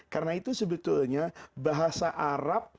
karena itu sebetulnya bahasa arab